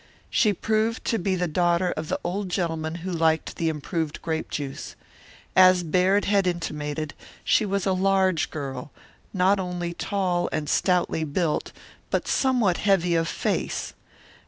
She proved to be the daughter of the old gentleman who liked the improved grape juice. As Baird had intimated, she was a large girl; not only tall and stoutly built, but somewhat heavy of face.